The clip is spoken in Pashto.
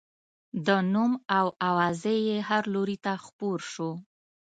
د نوم او اوازې یې هر لوري ته خپور شو.